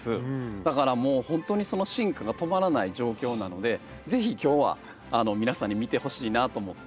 だからもうほんとにその進化が止まらない状況なので是非今日は皆さんに見てほしいなと思って。